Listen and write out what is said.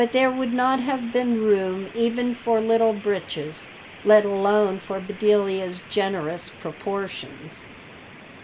There would not have been room even for Little Breeches, let alone for Bedelia's generous proportions.